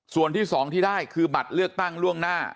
ส่วนที่๒ที่ได้คือบัตรเลือกตั้งล่วงหน้า